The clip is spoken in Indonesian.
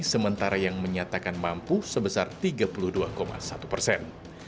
sementara yang menyatakan mampu sebesar tiga puluh dua satu persen